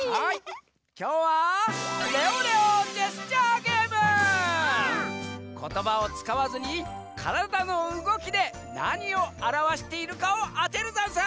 きょうはことばをつかわずにからだのうごきでなにをあらわしているかをあてるざんす！